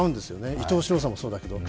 伊東四朗さんもそうだけど。